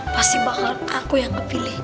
pasti bakal aku yang kepilih